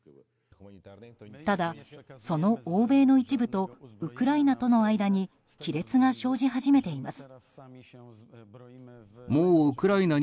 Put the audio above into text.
ただ、その欧米の一部とウクライナとの間に亀裂が生じ始めています。